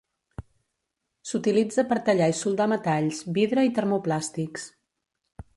S'utilitza per tallar i soldar metalls, vidre i termoplàstics.